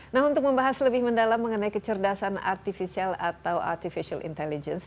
nah untuk membahas lebih mendalam mengenai kecerdasan artificial atau artificial intelligence